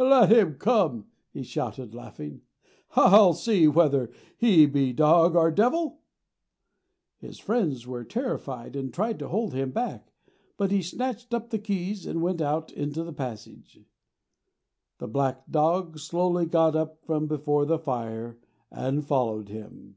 'Let him come,' he shouted, laughing; 'I'll see whether he be dog or devil!' His friends were terrified and tried to hold him back, but he snatched up the keys and went out into the passage. The Black Dog slowly got up from before the fire and followed him.